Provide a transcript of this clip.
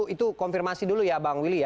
itu konfirmasi dulu ya bang willy ya